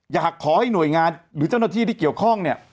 อยากให้หน่วยงานหรือเจ้าหน้าที่ที่เกี่ยวข้องเนี่ย